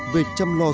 về trăm lo lắng